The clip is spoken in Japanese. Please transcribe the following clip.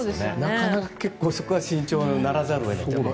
なかなか、そこは慎重にならざるを得ないと。